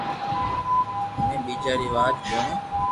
امي ٻيجا ري واٽ جونئو